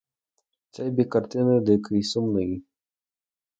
Цей бік картини дикий, сумний.